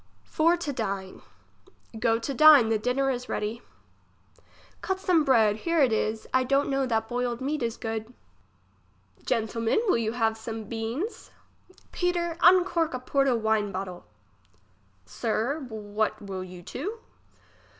For to dine. Go to dine, the dinner is ready. Cut some bread ; here is it, I don't know that boiled meat is good. 32 English as she is spoke. Gentilman, will you have some beans ? Peter, uncork a Porto wine bottle. Sir, what will you to